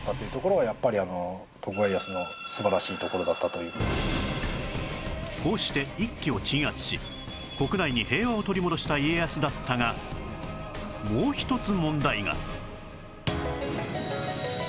怖いんですけどもこうして一揆を鎮圧し国内に平和を取り戻した家康だったがもう一つ問題が